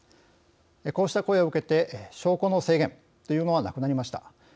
こうした声を受けて証拠の制限というのはなくなりました。